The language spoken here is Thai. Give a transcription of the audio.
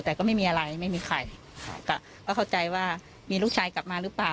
แต่ก็ไม่มีอะไรไม่มีใครก็เข้าใจว่ามีลูกชายกลับมาหรือเปล่า